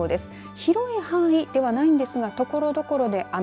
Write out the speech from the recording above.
広い範囲ではないですがところどころで雨。